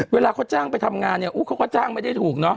เวลาเขาจ้างไปทำงานเนี่ยเขาก็จ้างไม่ได้ถูกเนาะ